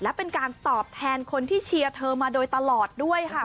และเป็นการตอบแทนคนที่เชียร์เธอมาโดยตลอดด้วยค่ะ